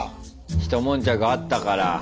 ひともんちゃくあったから。